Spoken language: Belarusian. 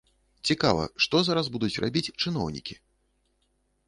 Цікава, што зараз будуць рабіць чыноўнікі?